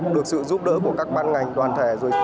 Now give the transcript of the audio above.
được sự giúp đỡ của các ban ngành toàn thể